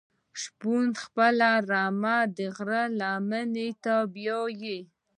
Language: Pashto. شپون خپله رمه د غره لمنی ته بیایی.